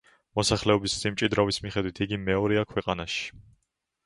მოსახლეობის სიმჭიდროვის მიხედვით იგი მეორეა ქვეყანაში.